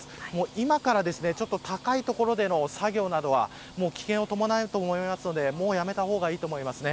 今から高い所での作業などは危険を伴うと思うのでやめた方がいいと思います。